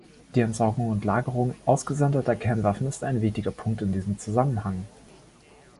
Die Entsorgung und Lagerung ausgesonderter Kernwaffen ist ein wichtiger Punkt in diesem Zusammenhang.